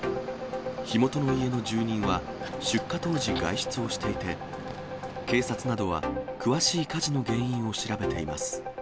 火元の家の住人は、出火当時、外出をしていて、警察などは詳しい火事の原因を調べています。